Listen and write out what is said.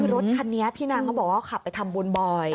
คือรถคันนี้พี่นางเขาบอกว่าขับไปทำบุญบ่อย